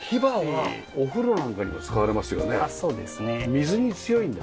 水に強いんだ。